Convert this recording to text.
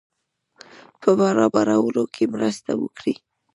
په برابرولو کې مرسته وکړي.